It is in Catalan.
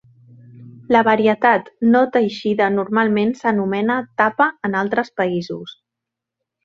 La varietat no teixida normalment s'anomena "tapa" en altres països.